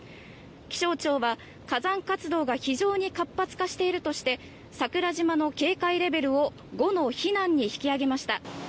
気象庁は火山活動が非常に活発化しているとして桜島の警戒レベルを５の避難に引き上げました。